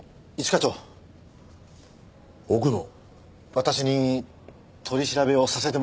私に取り調べをさせてもらえないでしょうか？